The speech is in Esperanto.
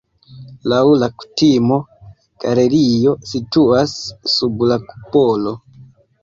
Laŭ la kutimo galerio situas sub la kupolo.